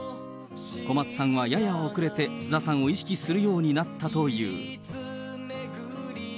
小松さんは、やや遅れて菅田さんを意識するようになったという。